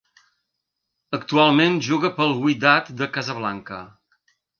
Actualment juga pel Wydad de Casablanca.